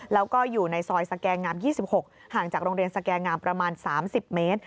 แล้วก็อยู่ในซอยสแกงาม๒๖ห่างจากโรงเรียนสแกงามประมาณ๓๐เมตร